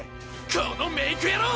このメイク野郎！